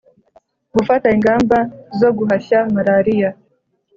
Gufata ingamba zo guhashya malaria